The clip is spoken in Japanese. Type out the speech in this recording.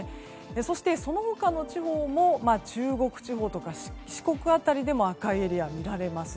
そして、その他の地方も中国地方とか四国辺りでも赤いエリアが見られます。